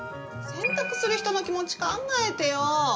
洗濯する人の気持ち考えてよ。